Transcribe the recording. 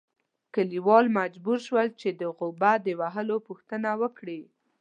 کلیوال مجبور شول چې د غوبه د وهلو پوښتنه وکړي.